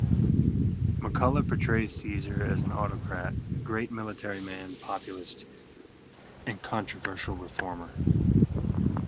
McCullough portrays Caesar as an autocrat, great military man, populist, and controversial reformer.